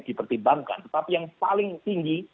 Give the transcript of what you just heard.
dipertimbangkan tetapi yang paling tinggi